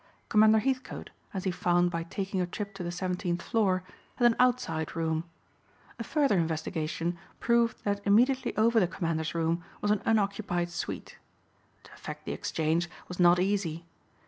Commander Heathcote, as he found by taking a trip to the seventeenth floor, had an outside room. A further investigation proved that immediately over the Commander's room was an unoccupied suite. To effect the exchange was not easy.